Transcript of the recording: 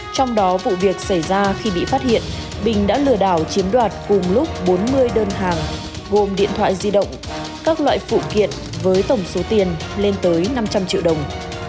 trong đó vụ việc xảy ra khi bị phát hiện bình đã lừa đảo chiếm đoạt cùng lúc bốn mươi đơn hàng gồm điện thoại di động các loại phụ kiện với tổng số tiền lên tới năm trăm linh triệu đồng